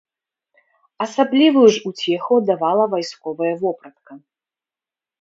Асаблівую ж уцеху давала вайсковая вопратка.